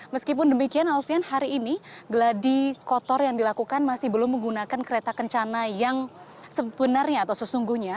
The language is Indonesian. meskipun demikian alfian hari ini geladi kotor yang dilakukan masih belum menggunakan kereta kencana yang sebenarnya atau sesungguhnya